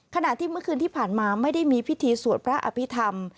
ขณะที่เมื่อคืนที่ผ่านมาไม่ได้มีพิธีสวดพระอภิษฐรรม